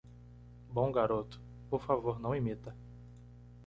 Bom garoto, por favor não imita